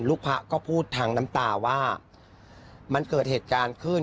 พระก็พูดทางน้ำตาว่ามันเกิดเหตุการณ์ขึ้น